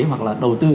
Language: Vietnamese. hoặc là đầu tư